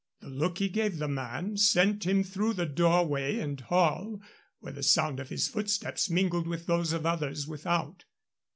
The look he gave the man sent him through the doorway and hall, where the sound of his footsteps mingled with those of others without.